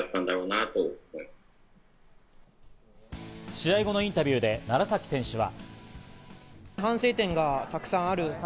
試合後のインタビューで楢崎選手は。